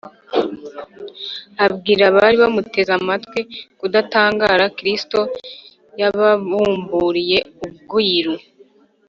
Abwira abari bamuteze amatwi kudatangara, Kristo yababumburiye ubwiru